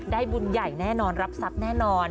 บุญใหญ่แน่นอนรับทรัพย์แน่นอน